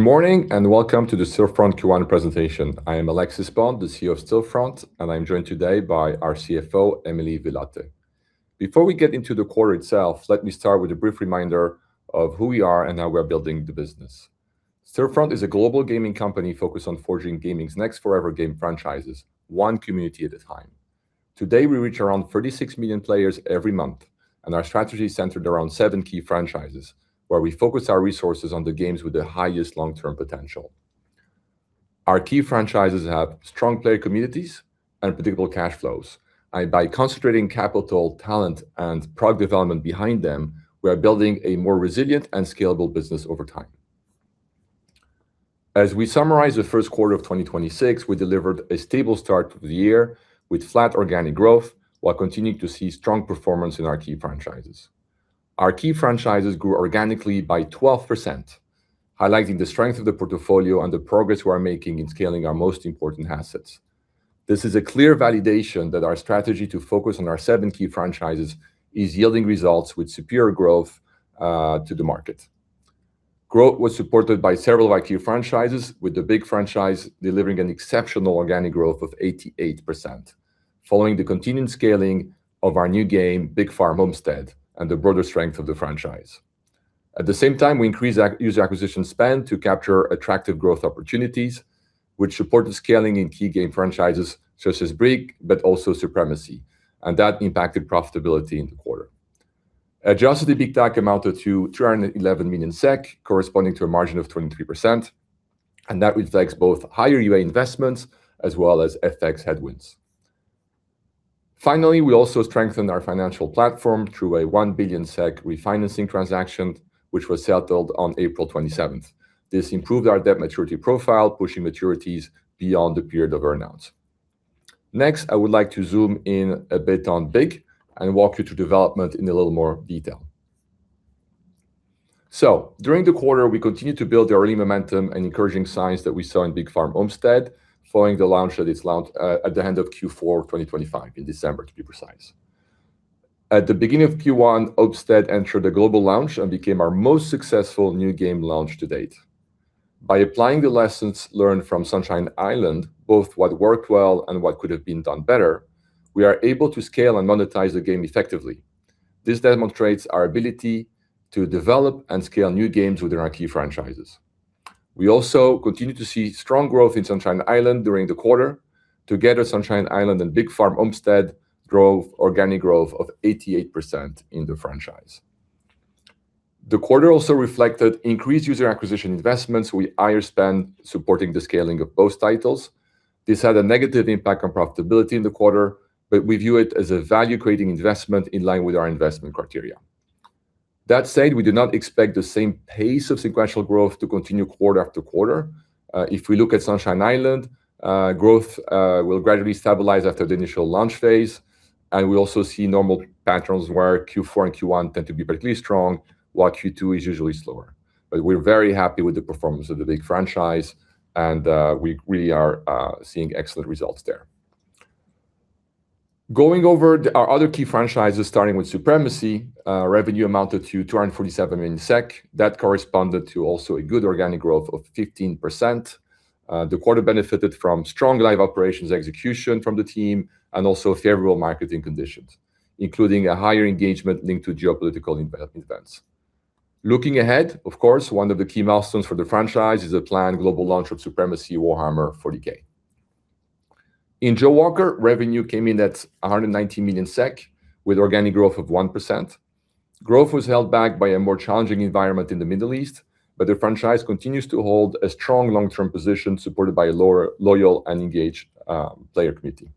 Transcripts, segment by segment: Good morning, welcome to the Stillfront Q1 presentation. I am Alexis Bonte, the CEO of Stillfront, and I'm joined today by our CFO, Emily Villatte. Before we get into the quarter itself, let me start with a brief reminder of who we are and how we are building the business. Stillfront is a global gaming company focused on forging gaming's next forever game franchises, one community at a time. Today, we reach around 36 million players every month, and our strategy is centered around seven key franchises, where we focus our resources on the games with the highest long-term potential. Our key franchises have strong player communities and predictable cash flows. By concentrating capital, talent, and product development behind them, we are building a more resilient and scalable business over time. As we summarize the first quarter of 2026, we delivered a stable start to the year with flat organic growth while continuing to see strong performance in our key franchises. Our key franchises grew organically by 12%, highlighting the strength of the portfolio and the progress we are making in scaling our most important assets. This is a clear validation that our strategy to focus on our seven key franchises is yielding results with superior growth to the market. Growth was supported by several of our key franchises, with the Big Farm franchise delivering an exceptional organic growth of 88% following the continuing scaling of our new game, Big Farm: Homestead, and the broader strength of the franchise. At the same time, we increased user acquisition spend to capture attractive growth opportunities, which supported scaling in key game franchises such as BIG but also Supremacy, and that impacted profitability in the quarter. Adjusted EBITDA amounted to 311 million SEK, corresponding to a margin of 23%, and that reflects both higher UA investments as well as FX headwinds. Finally, we also strengthened our financial platform through a 1 billion SEK refinancing transaction, which was settled on April 27th. This improved our debt maturity profile, pushing maturities beyond the period of our announce. Next, I would like to zoom in a bit on BIG and walk you through development in a little more detail. During the quarter, we continued to build the early momentum and encouraging signs that we saw in Big Farm: Homestead following the launch at the end of Q4 2025, in December, to be precise. At the beginning of Q1, Homestead entered the global launch and became our most successful new game launch to date. By applying the lessons learned from Sunshine Island, both what worked well and what could have been done better, we are able to scale and monetize the game effectively. This demonstrates our ability to develop and scale new games within our key franchises. We also continued to see strong growth in Sunshine Island during the quarter. Together, Sunshine Island and Big Farm: Homestead drove organic growth of 88% in the franchise. The quarter also reflected increased user acquisition investments with higher spend supporting the scaling of both titles. This had a negative impact on profitability in the quarter, we view it as a value-creating investment in line with our investment criteria. That said, we do not expect the same pace of sequential growth to continue quarter after quarter. If we look at Sunshine Island, growth will gradually stabilize after the initial launch phase. We also see normal patterns where Q4 and Q1 tend to be particularly strong, while Q2 is usually slower. We're very happy with the performance of the Big franchise and we are seeing excellent results there. Going over our other key franchises, starting with Supremacy, revenue amounted to 247 million SEK. That corresponded to also a good organic growth of 15%. The quarter benefited from strong live operations execution from the team and also favorable marketing conditions, including a higher engagement linked to geopolitical events. Looking ahead, of course, one of the key milestones for the franchise is a planned global launch of Supremacy: Warhammer 40,000. In Jawaker, revenue came in at 190 million SEK with organic growth of 1%. Growth was held back by a more challenging environment in the Middle East, but the franchise continues to hold a strong long-term position supported by a loyal and engaged player community.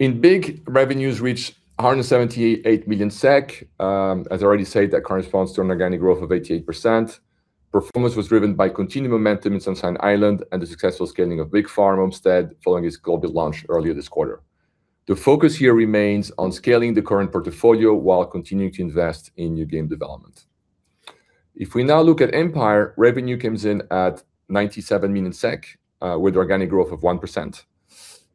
In BIG, revenues reached 178 million SEK. As I already said, that corresponds to an organic growth of 88%. Performance was driven by continued momentum in Sunshine Island and the successful scaling of Big Farm: Homestead following its global launch earlier this quarter. The focus here remains on scaling the current portfolio while continuing to invest in new game development. If we now look at Empire, revenue comes in at 97 million SEK with organic growth of 1%.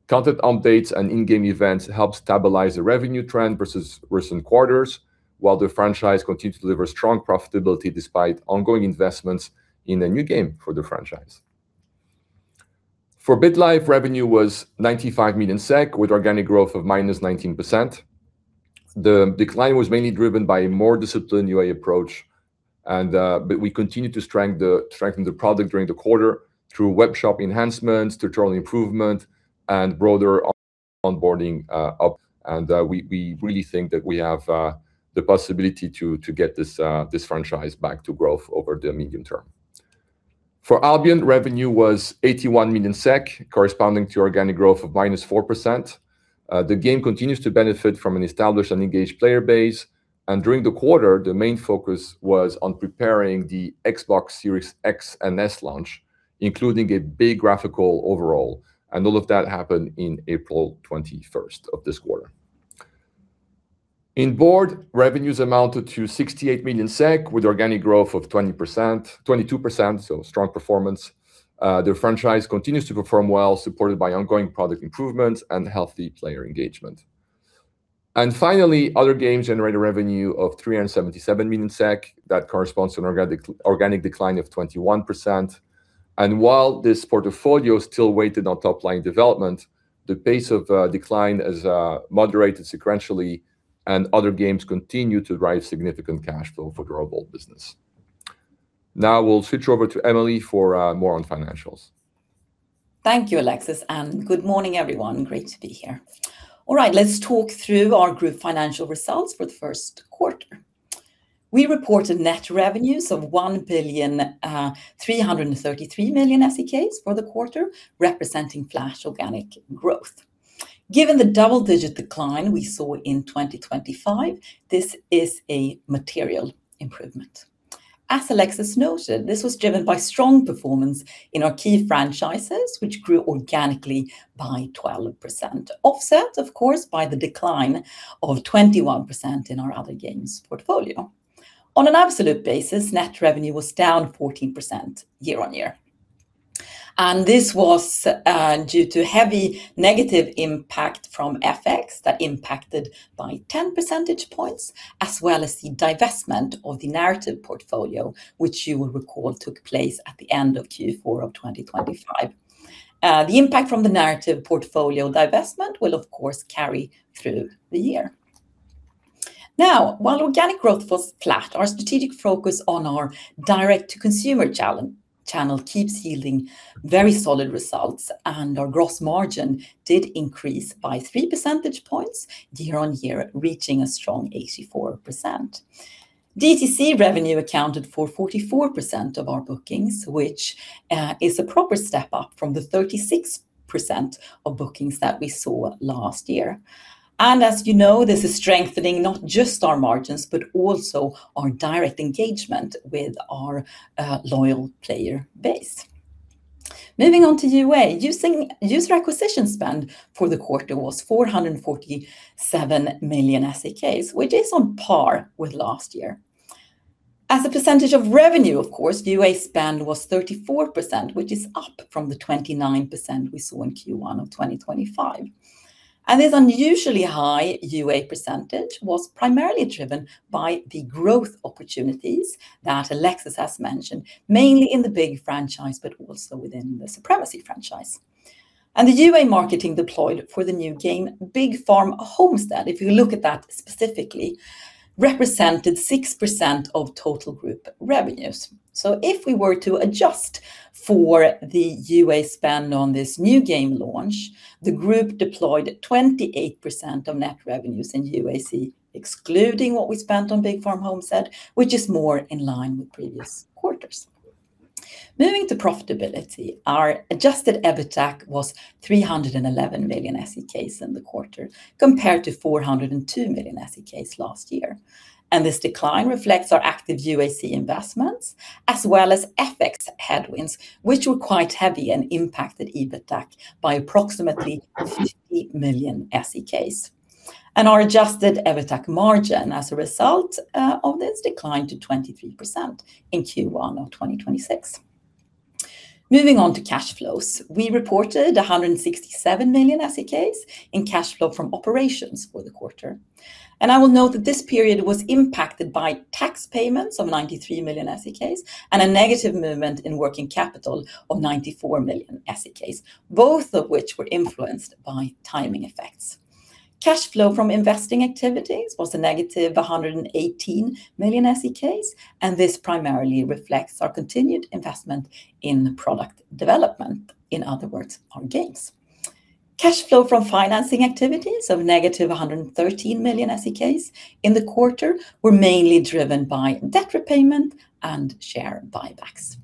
Content updates and in-game events help stabilize the revenue trend versus recent quarters, while the franchise continued to deliver strong profitability despite ongoing investments in a new game for the franchise. For BitLife, revenue was 95 million SEK with organic growth of -19%. The decline was mainly driven by a more disciplined UA approach and, but we continued to strengthen the product during the quarter through web shop enhancements, tutorial improvement and broader onboarding up. We really think that we have the possibility to get this franchise back to growth over the medium term. For Albion, revenue was 81 million SEK, corresponding to organic growth of -4%. The game continues to benefit from an established and engaged player base. During the quarter, the main focus was on preparing the Xbox Series X and S launch, including a big graphical overhaul and all of that happened in April 21st of this quarter. In Board, revenues amounted to 68 million SEK with organic growth of 20%, 22%. Strong performance. The franchise continues to perform well, supported by ongoing product improvements and healthy player engagement. Finally, other games generated revenue of 377 million SEK. That corresponds to an organic decline of 21%. While this portfolio is still weighted on top-line development, the pace of decline has moderated sequentially, and other games continue to drive significant cash flow for durable business. Now we'll switch over to Emily for more on financials. Thank you, Alexis, good morning, everyone. Great to be here. All right, let's talk through our group financial results for the first quarter. We reported net revenues of 1,333 million SEK for the quarter, representing flash organic growth. Given the double-digit decline we saw in 2025, this is a material improvement. As Alexis noted, this was driven by strong performance in our key franchises, which grew organically by 12%, offset of course, by the decline of 21% in our other games portfolio. On an absolute basis, net revenue was down 14% year-on-year, and this was due to heavy negative impact from FX that impacted by 10 percentage points as well as the divestment of the narrative portfolio, which you will recall took place at the end of Q4 of 2025. The impact from the narrative portfolio divestment will of course carry through the year. Now, while organic growth was flat, our strategic focus on our direct-to-consumer channel keeps yielding very solid results, and our gross margin did increase by 3 percentage points year-on-year, reaching a strong 84%. DTC revenue accounted for 44% of our bookings, which is a proper step up from the 36% of bookings that we saw last year. As you know, this is strengthening not just our margins, but also our direct engagement with our loyal player base. Moving on to UA. User acquisition spend for the quarter was 447 million SEK, which is on par with last year. As a percentage of revenue, of course, UA spend was 34%, which is up from the 29% we saw in Q1 of 2025. This unusually high UA percentage was primarily driven by the growth opportunities that Alexis has mentioned, mainly in the Big franchise, but also within the Supremacy franchise. The UA marketing deployed for the new game, Big Farm: Homestead, if you look at that specifically, represented 6% of total group revenues. If we were to adjust for the UA spend on this new game launch, the group deployed 28% of net revenues in UAC, excluding what we spent on Big Farm: Homestead, which is more in line with previous quarters. Moving to profitability, our adjusted EBITDA was 311 million SEK in the quarter, compared to 402 million SEK last year. This decline reflects our active UAC investments as well as FX headwinds, which were quite heavy and impacted EBITDA by approximately SEK 50 million. Our adjusted EBITDA margin as a result of this declined to 23% in Q1 of 2026. Moving on to cash flows. We reported 167 million SEK in cash flow from operations for the quarter, and I will note that this period was impacted by tax payments of 93 million SEK and a negative movement in working capital of 94 million SEK, both of which were influenced by timing effects. Cash flow from investing activities was a negative 118 million SEK, and this primarily reflects our continued investment in product development, in other words, our games. Cash flow from financing activities of negative 113 million SEK in the quarter were mainly driven by debt repayment and share buybacks.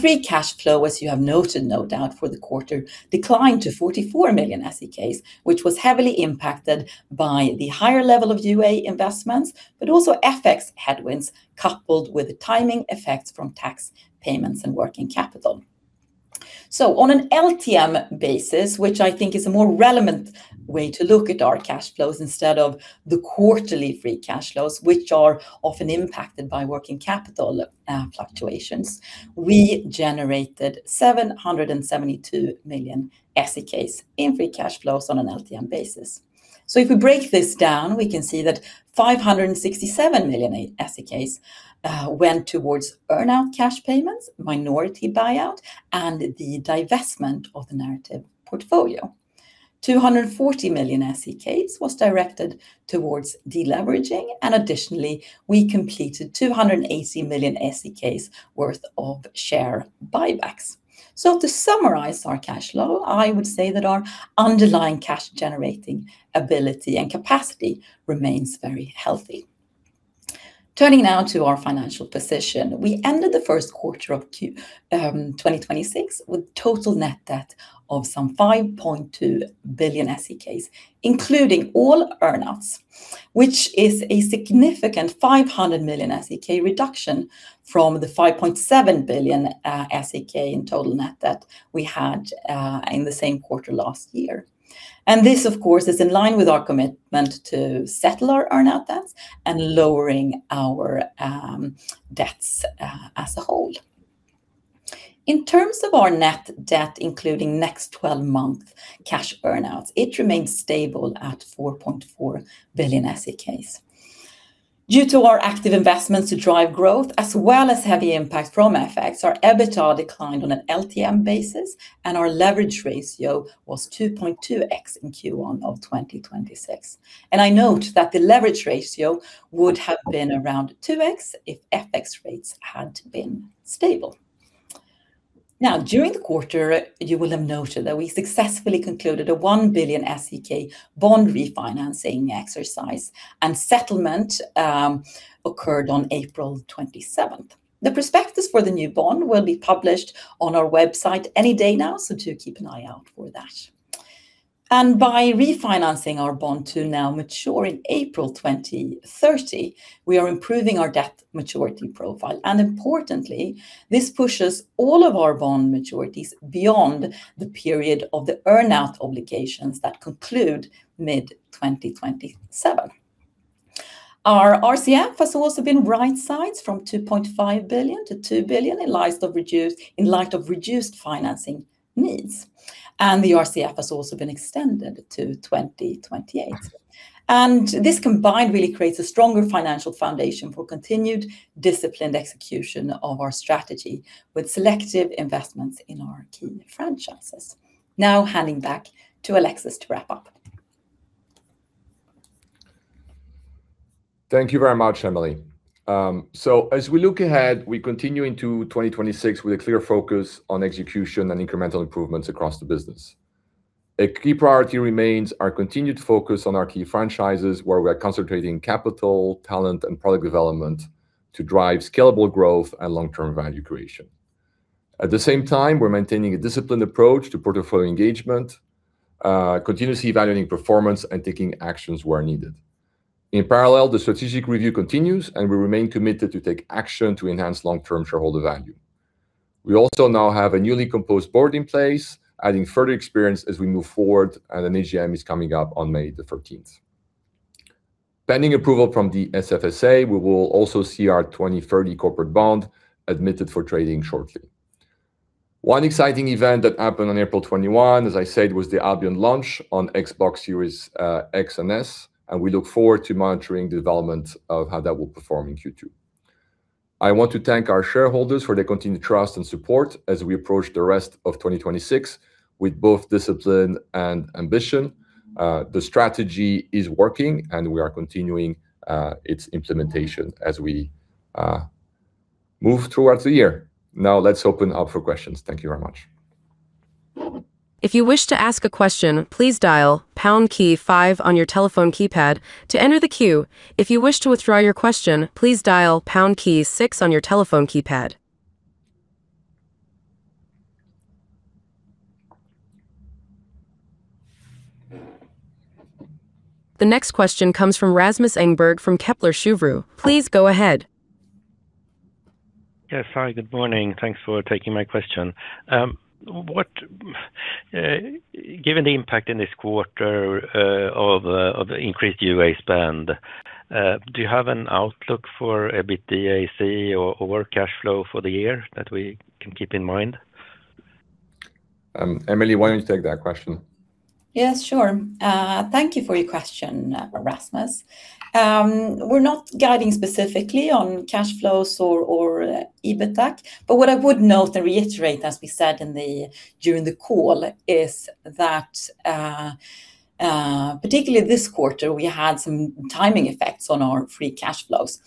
Free cash flow, as you have noted, no doubt, for the quarter declined to 44 million SEK, which was heavily impacted by the higher level of UA investments, but also FX headwinds coupled with timing effects from tax payments and working capital. On an LTM basis, which I think is a more relevant way to look at our cash flows instead of the quarterly free cash flows, which are often impacted by working capital fluctuations, we generated 772 million SEK in free cash flows on an LTM basis. If we break this down, we can see that 567 million SEK went towards earn-out cash payments, minority buyout, and the divestment of the narrative portfolio. 240 million SEK was directed towards deleveraging, and additionally, we completed 280 million SEK worth of share buybacks. To summarize our cash flow, I would say that our underlying cash-generating ability and capacity remains very healthy. Turning now to our financial position. We ended the first quarter 2026 with total net debt of some 5.2 billion SEK, including all earn-outs, which is a significant 500 million SEK reduction from the 5.7 billion SEK in total net debt we had in the same quarter last year. This, of course, is in line with our commitment to settle our earn-out debts and lowering our debts as a whole. In terms of our net debt, including next 12-month cash burnouts, it remains stable at 4.4 billion SEK. Due to our active investments to drive growth as well as heavy impact from FX, our EBITDA declined on an LTM basis. Our leverage ratio was 2.2x in Q1 of 2026. I note that the leverage ratio would have been around 2x if FX rates had been stable. During the quarter, you will have noted that we successfully concluded a 1 billion SEK bond refinancing exercise. Settlement occurred on April 27th. The prospectus for the new bond will be published on our website any day now. Do keep an eye out for that. By refinancing our bond to now mature in April 2030, we are improving our debt maturity profile. Importantly, this pushes all of our bond maturities beyond the period of the earn out obligations that conclude mid-2027. Our RCF has also been right-sized from 2.5 billion to 2 billion in light of reduced financing needs. The RCF has also been extended to 2028. This combined really creates a stronger financial foundation for continued disciplined execution of our strategy with selective investments in our key franchises. Now handing back to Alexis to wrap up. Thank you very much, Emily. As we look ahead, we continue into 2026 with a clear focus on execution and incremental improvements across the business. A key priority remains our continued focus on our key franchises, where we are concentrating capital, talent, and product development to drive scalable growth and long-term value creation. At the same time, we're maintaining a disciplined approach to portfolio engagement, continuously evaluating performance and taking actions where needed. In parallel, the strategic review continues, and we remain committed to take action to enhance long-term shareholder value. We also now have a newly composed board in place, adding further experience as we move forward, and an AGM is coming up on May the 13th. Pending approval from the SFSA, we will also see our 2030 corporate bond admitted for trading shortly. One exciting event that happened on April 21, as I said, was the Albion launch on Xbox Series X and S, and we look forward to monitoring the development of how that will perform in Q2. I want to thank our shareholders for their continued trust and support as we approach the rest of 2026 with both discipline and ambition. The strategy is working, and we are continuing its implementation as we move towards the year. Now let's open up for questions. Thank you very much. The next question comes from Rasmus Engberg from Kepler Cheuvreux. Please go ahead. Yeah. Sorry, good morning. Thanks for taking my question. What given the impact in this quarter of the increased UA spend, do you have an outlook for EBITDAC or cash flow for the year that we can keep in mind? Emily, why don't you take that question? Yes, sure. Thank you for your question, Rasmus. We're not guiding specifically on cash flows or EBITDAC, but what I would note and reiterate, as we said during the call, is that particularly this quarter, we had some timing effects on our free cash flows.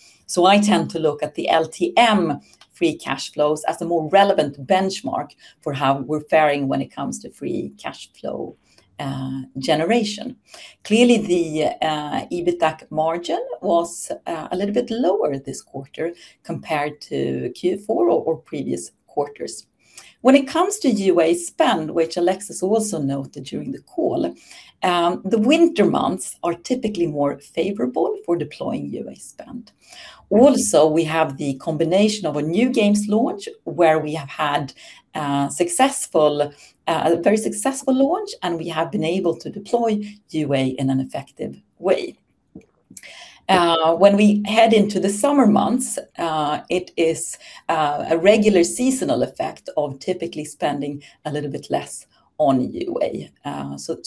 I tend to look at the LTM free cash flows as a more relevant benchmark for how we're faring when it comes to free cash flow generation. Clearly, the EBITDAC margin was a little bit lower this quarter compared to Q4 or previous quarters. When it comes to UA spend, which Alexis also noted during the call, the winter months are typically more favorable for deploying UA spend. We have the combination of a new games launch where we have had a successful, a very successful launch, and we have been able to deploy UA in an effective way. When we head into the summer months, it is a regular seasonal effect of typically spending a little bit less on UA.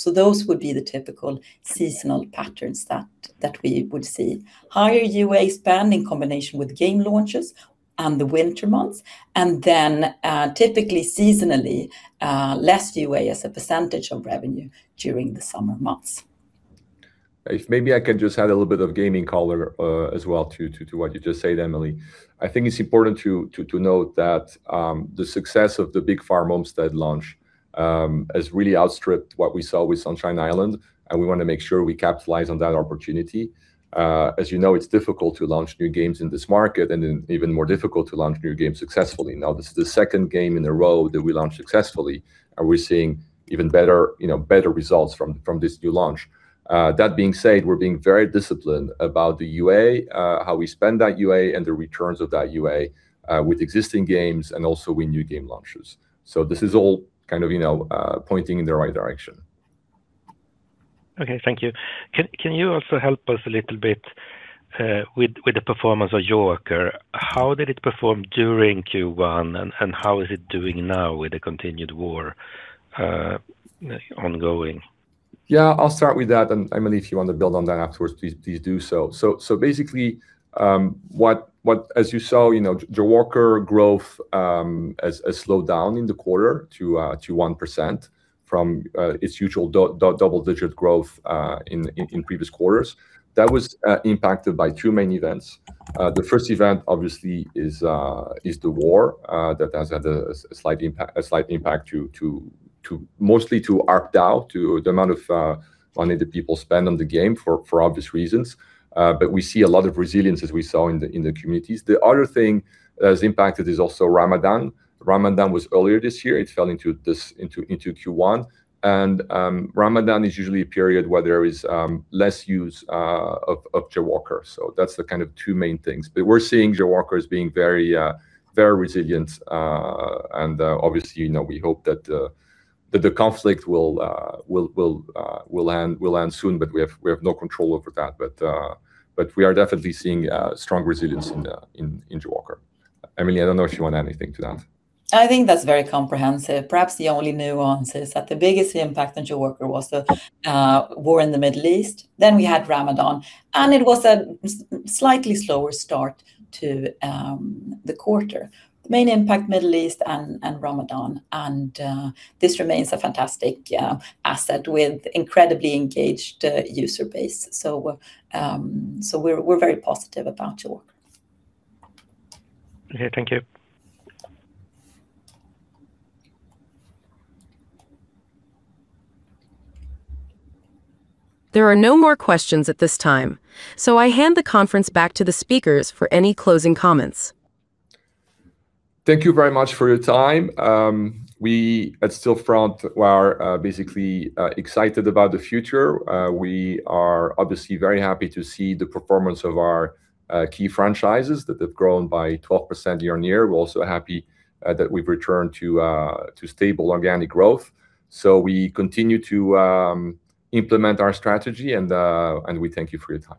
Those would be the typical seasonal patterns that we would see. Higher UA spend in combination with game launches and the winter months, typically seasonally less UA as a percentage of revenue during the summer months. If maybe I can just add a little bit of gaming color, as well to what you just said, Emily. I think it's important to note that the success of the Big Farm: Homestead launch has really outstripped what we saw with Sunshine Island, and we wanna make sure we capitalize on that opportunity. As you know, it's difficult to launch new games in this market and then even more difficult to launch new games successfully. Now, this is the second game in a row that we launched successfully, and we're seeing even better, you know, better results from this new launch. That being said, we're being very disciplined about the UA, how we spend that UA and the returns of that UA, with existing games and also with new game launches. This is all kind of, you know, pointing in the right direction. Okay, thank you. Can you also help us a little bit with the performance of Jawaker? How did it perform during Q1 and how is it doing now with the continued war ongoing? Yeah, I'll start with that, and Emily, if you want to build on that afterwards, please do so. Basically, as you saw, you know, Jawaker growth has slowed down in the quarter to 1% from its usual double-digit growth in previous quarters. That was impacted by two main events. The first event obviously is the war that has had a slight impact to mostly to ARPDAU, to the amount of money that people spend on the game for obvious reasons. We see a lot of resilience as we saw in the communities. The other thing that has impacted is also Ramadan. Ramadan was earlier this year. It fell into this, into Q1. Ramadan is usually a period where there is less use of Jawaker. That's the kind of two main things. We're seeing Jawaker as being very resilient. Obviously, you know, we hope that the conflict will end soon, but we have no control over that. We are definitely seeing a strong resilience in Jawaker. Emily, I don't know if you want to add anything to that. I think that's very comprehensive. Perhaps the only nuance is that the biggest impact on Jawaker was the war in the Middle East. We had Ramadan, and it was a slightly slower start to the quarter. The main impact, Middle East and Ramadan, and this remains a fantastic asset with incredibly engaged user base. We're very positive about Jawaker. Okay. Thank you. There are no more questions at this time, so I hand the conference back to the speakers for any closing comments. Thank you very much for your time. We at Stillfront are excited about the future. We are obviously very happy to see the performance of our key franchises that have grown by 12% year-over-year. We're also happy that we've returned to stable organic growth. We continue to implement our strategy, and we thank you for your time.